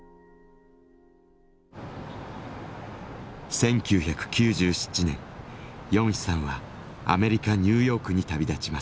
１９９７年ヨンヒさんはアメリカニューヨークに旅立ちます。